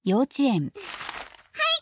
はい。